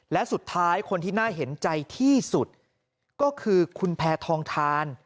และสุดท้ายคนที่น่าเห็นใจที่สุดก็คือคุณแพทองทาน